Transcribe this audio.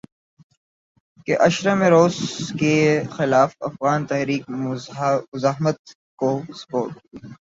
کے عشرے میں روس کے خلاف افغان تحریک مزاحمت کو سپورٹ